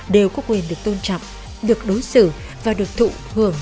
đều có quyền được tôn trọng được đối xử và được thụ hưởng